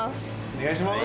・お願いします